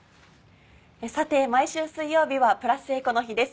さて毎週水曜日はプラスエコの日です。